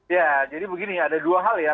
ya jadi begini ada dua hal ya